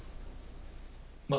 まあ